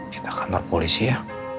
kita kantor polisi ya